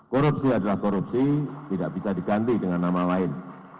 korupsi adalah korupsi tidak bisa diganti dengan nama lain